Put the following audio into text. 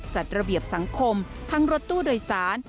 จัดระเบียบสังคมทั้งรถตู้โดยสาร